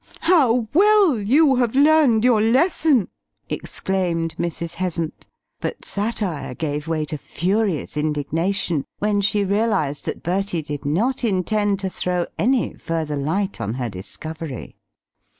"How well you have learned your lesson!" exclaimed Mrs. Heasant. But satire gave way to furious indignation when she realised that Bertie did not intend to throw any further light on her discovery.